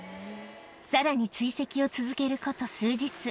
さらに追跡を続けること数日。